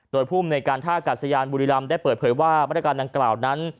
โดยภูมิในการท่ากาศยานบุรีรำได้เปิดเผยว่ามาตรการดังกล่าวนั้น